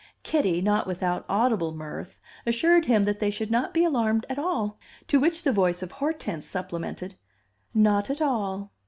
Kitty, not without audible mirth, assured him that they should not be alarmed at all, to which the voice of Hortense supplemented, "Not at all."